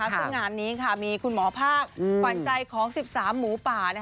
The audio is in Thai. ซึ่งงานนี้มีคุณหมอภาคขวัญใจของ๑๓หมูป่า